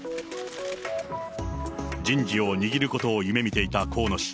人事を握ることを夢みていた河野氏。